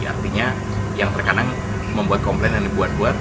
artinya yang terkadang membuat komplain yang dibuat buat